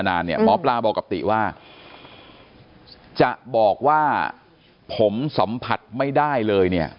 กันมานานเนี่ยหมอปลาบอกกับติว่าจะบอกว่าผมสัมผัสไม่ได้เลยเนี่ย